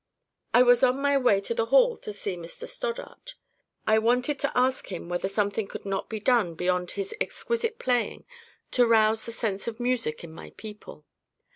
I was on my way to the Hall to see Mr Stoddart. I wanted to ask him whether something could not be done beyond his exquisite playing to rouse the sense of music in my people.